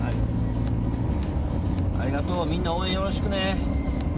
ありがとう、みんな応援よろしくね。